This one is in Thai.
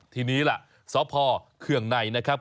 ทีนี้ล่ะสพเคืองในนะครับ